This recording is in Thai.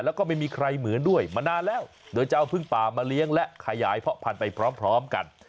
แล้วก็ไม่มีใครเหมือนด้วยมานานแล้วโดยจะเอาพึ่งป่ามาเลี้ยงและขยายเพาะพันธุ์ไปพร้อมกัน